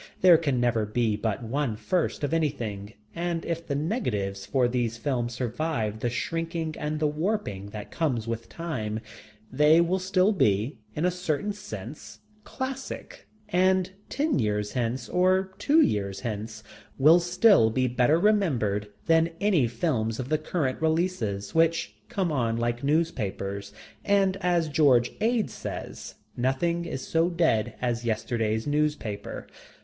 There can never be but one first of anything, and if the negatives of these films survive the shrinking and the warping that comes with time, they will still be, in a certain sense, classic, and ten years hence or two years hence will still be better remembered than any films of the current releases, which come on like newspapers, and as George Ade says: "Nothing is so dead as yesterday's newspaper."